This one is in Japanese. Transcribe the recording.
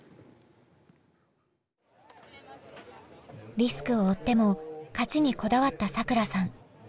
リスクを負っても勝ちにこだわったさくらさん。